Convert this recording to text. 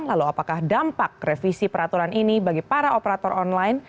lalu apakah dampak revisi peraturan ini bagi para operator online